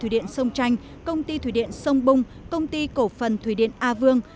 thủy điện sông chanh công ty thủy điện sông bung công ty cổ phần thủy điện a vương